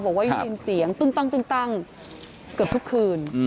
บอกว่าได้ยินเสียงตึ้งตั้งเกือบทุกคืน